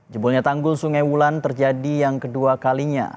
jebolnya tanggul sungai wulan terjadi yang kedua kalinya